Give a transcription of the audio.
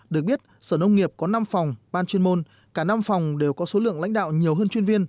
được biết sở nông nghiệp có năm phòng ban chuyên môn cả năm phòng đều có số lượng lãnh đạo nhiều hơn chuyên viên